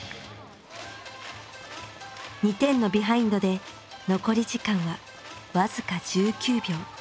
２点のビハインドで残り時間は僅か１９秒。